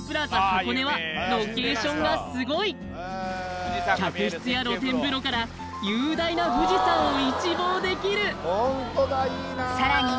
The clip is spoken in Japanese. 箱根はロケーションがすごい客室や露天風呂から雄大な富士山を一望できるさらに